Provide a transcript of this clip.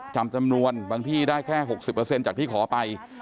จำนวนบางที่ได้แค่๖๐จากที่ขอไป